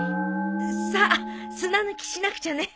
さっ砂抜きしなくちゃね。